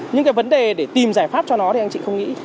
nhưng cái vấn đề để tìm giải pháp cho nó thì anh chị không nghĩ